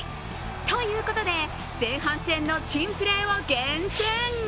ということで、前半戦の珍プレーを厳選。